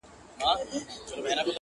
هغې ويل په پوري هـديــره كي ښخ دى